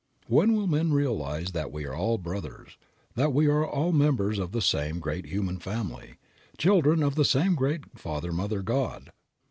When will men realize that we are all brothers; that we are all members of the same great human family, children of the same great Father Mother God.